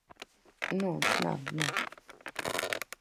_... Non, nada, nada.